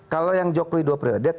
kalau yang jokowi dua periode